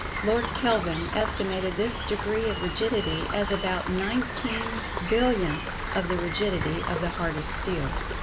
Lord Kelvin estimated this degree of Rigidity as about 19,000,000,000th of the rigidity of the hardest steel.